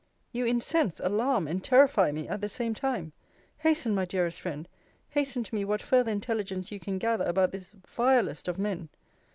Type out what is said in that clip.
You incense, alarm, and terrify me, at the same time. Hasten, my dearest friend, hasten to me what further intelligence you can gather about this vilest of men.